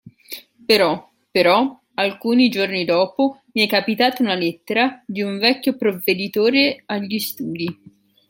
Però, però alcuni giorni dopo mi è capitata una lettera di un vecchio Provveditore agli studi.